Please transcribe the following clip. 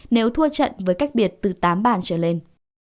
nếu thua trận với cách biệt từ tám bàn trở lên